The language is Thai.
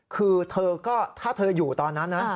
คือเธอก็ถ้าเธออยู่ตอนนั้นนะ